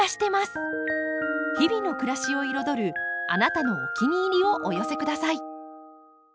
日々の暮らしを彩るあなたのお気に入りをお寄せください。